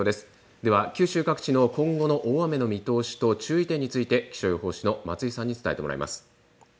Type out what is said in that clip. では九州各地の今後の大雨の見通しと注意点について気象予報士の松井さんに伝えてもらいます。